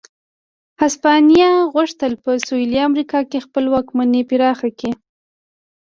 هسپانیا غوښتل په سوېلي امریکا کې خپله واکمني پراخه کړي.